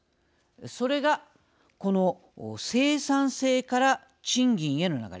それが、この生産性から賃金への流れ。